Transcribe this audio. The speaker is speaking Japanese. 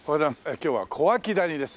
今日は小涌谷です。